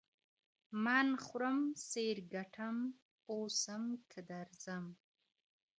من خورم، سېر گټم، اوسم، که درځم.